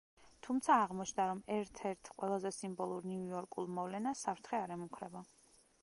თუმცა აღმოჩნდა, რომ ერთ-ერთ ყველაზე სიმბოლურ ნიუ-იორკულ მოვლენას, საფრთხე არ ემუქრება.